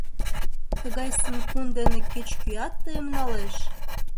Тыгай сын-кун дене кеч-кӧат тыйым налеш.